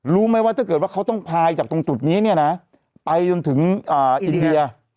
รู้ไหมว่าถ้าเกิดว่าเขาต้องพายจากตรงจุดนี้เนี่ยนะไปจนถึงอินเดีย